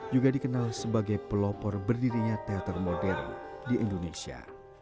juga dikenal sebagai pelopor berdirinya teater modern di indonesia